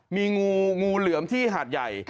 มีงูงูเหลือมที่หาดใหญ่